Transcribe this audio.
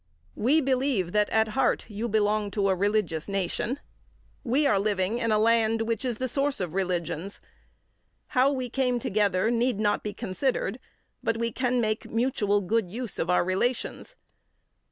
We believe that, at heart you belong to a religious nation. We are living in a land which is the source of religions. How we came together need not be considered, but we can make mutual good use of our relations.